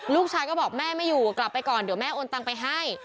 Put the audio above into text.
ลูกชายก็บอกแม่ไม่อยู่กลับไปก่อนเดี๋ยวแม่โอนตังไปให้